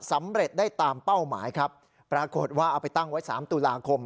สำเร็จได้ตามเป้าหมายครับปรากฏว่าเอาไปตั้งไว้๓ตุลาคม